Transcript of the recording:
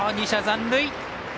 ２者残塁。